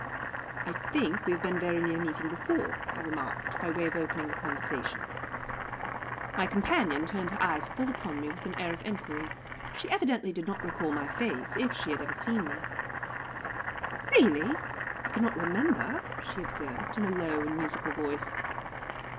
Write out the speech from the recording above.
"I think we have been very near meeting before," I remarked, by way of opening the conversation. My companion turned her eyes full upon me with an air of enquiry. She evidently did not recall my face, if she had ever seen me. "Really I cannot remember," she observed, in a low and musical voice.